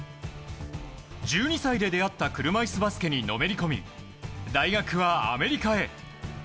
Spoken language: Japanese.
１２歳で出会った車いすバスケにのめり込み大学はアメリカへ。